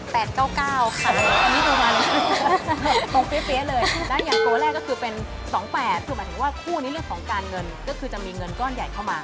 แล้วอย่างตัวแรกก็คือเป็น๒๘คือหมายถึงว่าคู่ในเรื่องของการเงินก็คือจะมีเงินก้อนใหญ่เข้ามา